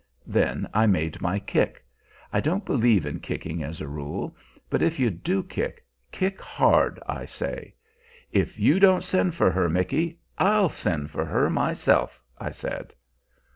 Then I made my kick. I don't believe in kicking, as a rule; but if you do kick, kick hard, I say. 'If you don't send for her, Micky, I'll send for her myself,' I said.